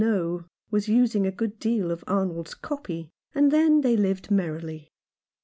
Know was using a good deal of Arnold's "copy," and then they lived merrily.